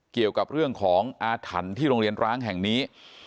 เกี่ยวกับเรื่องของอาถรรพ์ที่โรงเรียนร้างแห่งนี้